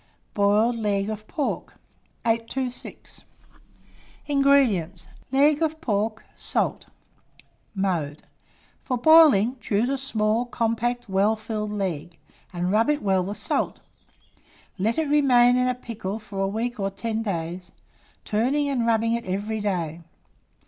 BOILED LEG OF PORK. 826. INGREDIENTS. Leg of pork; salt. Mode. For boiling, choose a small, compact, well filled leg, and rub it well with salt; let it remain in pickle for a week or ten days, turning and rubbing it every day.